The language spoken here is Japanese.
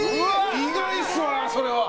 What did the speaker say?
意外っすわ、それは。